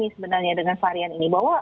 sebenarnya dengan varian ini bahwa